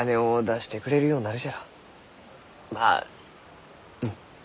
まあうん。